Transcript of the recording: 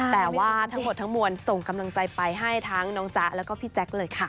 แต่ว่าทั้งหมดทั้งมวลส่งกำลังใจไปให้ทั้งน้องจ๊ะแล้วก็พี่แจ๊คเลยค่ะ